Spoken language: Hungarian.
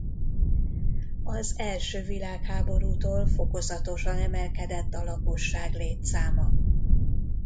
Az első világháborútól fokozatosan emelkedett a lakosság létszáma.